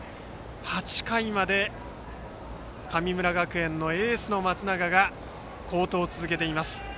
８回まで神村学園のエースの松永が好投を続けています。